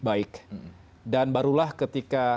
baik dan barulah ketika